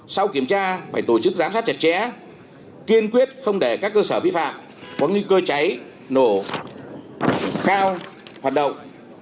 sau kiểm tra phải tổ chức giám sát chặt chẽ kiên quyết không để các cơ sở vi phạm có nguy cơ cháy nổ cao hoạt động